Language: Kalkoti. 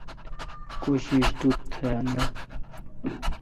کوشش تو تھ نا۔